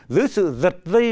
giữa sự giật dây